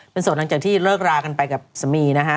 เป็นส่วนหลังจากที่เลิกรากันไปกับสามีนะฮะ